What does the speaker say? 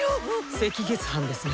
赤月飯ですね。